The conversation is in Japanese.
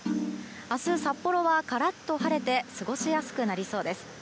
明日、札幌はカラッと晴れて過ごしやすくなりそうです。